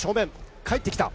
返ってきた。